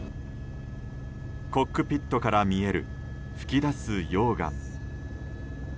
コックピットから見える噴き出す溶岩。